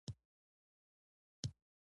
لاهور ته تر رسېدلو دمخه مشهور متل و.